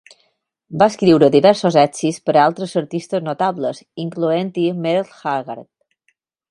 Va escriure diversos èxits per a altres artistes notables, incloent-hi Merle Haggard.